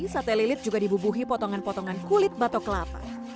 sate lilit juga dibubuhi potongan potongan kulit batok kelapa